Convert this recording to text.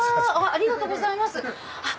ありがとうございます。